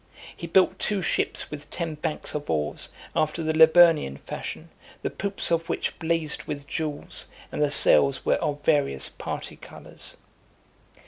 He built two ships with ten banks of oars, after the Liburnian fashion, the poops of which blazed with jewels, and the sails were of various parti colours.